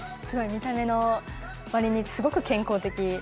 見た目のわりにすごく健康的。